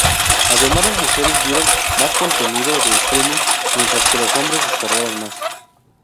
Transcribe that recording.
Además, las mujeres vieron más contenido de streaming, mientras que los hombres descargaron más.